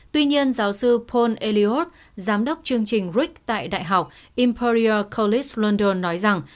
tuy nhiên giáo sư paul eliott giám đốc chương trình ric tại đại học imperial college london nói rằng